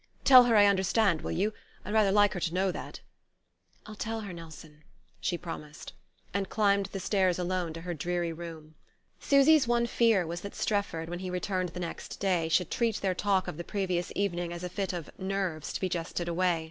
"Tell her I understand, will you? I'd rather like her to know that...." "I'll tell her, Nelson," she promised; and climbed the stairs alone to her dreary room. Susy's one fear was that Strefford, when he returned the next day, should treat their talk of the previous evening as a fit of "nerves" to be jested away.